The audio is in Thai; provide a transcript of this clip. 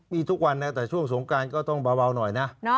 มีทุกวันนะแต่ช่วงสงการก็ต้องเบาหน่อยนะ